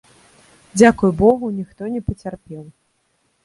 Дзякуй богу, ніхто не пацярпеў.